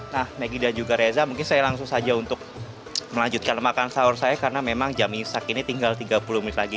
nah maggie dan juga reza mungkin saya langsung saja untuk melanjutkan makan sahur saya karena memang jam isak ini tinggal tiga puluh menit lagi